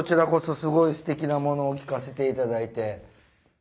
すごいすてきなものを聴かせて頂いて。